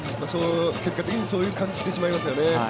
結果的にそう感じてしまいますよね。